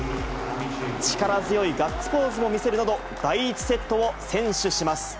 力強いガッツポーズを見せるなど、第１セットを先取します。